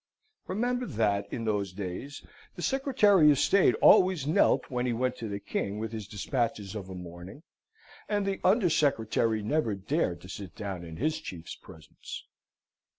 Remember that, in those days, the Secretary of State always knelt when he went to the king with his despatches of a morning, and the Under Secretary never dared to sit down in his chief's presence.